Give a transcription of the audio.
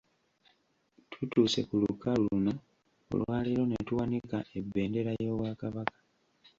Tutuuse ku lukalu luno olwa leero ne tuwanika ebendera y'Obwakabaka.